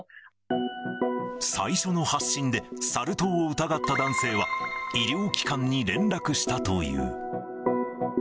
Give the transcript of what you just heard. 最初の発疹でサル痘を疑った男性は、医療機関に連絡したという。